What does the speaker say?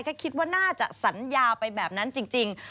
แค่คิดว่าน่าจะสัญญาไปแบบนั้นจริง